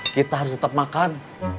kita harus tetap makan